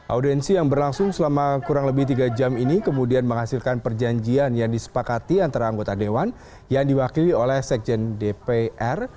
audensi yang berlangsung selama kurang lebih tiga jam ini kemudian menghasilkan perjanjian yang disepakati antara anggota dewan yang diwakili oleh sekjen dpr